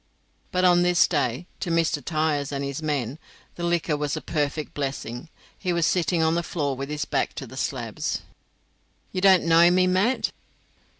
But on this day, to Mr. Tyers and his men, the liquor was a perfect blessing. He was sitting on the floor with his back to the slabs. "You don't know me, Mat?"